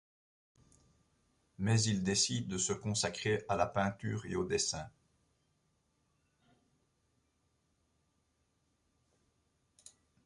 Mais il décide de se consacrer à la peinture et au dessin.